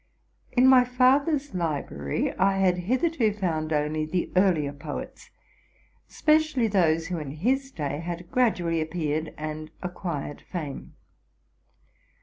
In my father's library I had hitherto found only the earlier poets, especially those who in his day had gradually appeared and acquired fame.